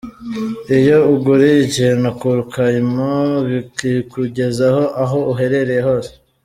Iyo uguriye ikintu kuri Kaymu bakikugezaho aho uherereye hose.